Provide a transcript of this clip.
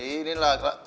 ini lah kak